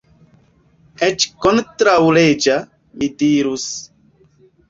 Eĉ kontraŭleĝa, mi dirus.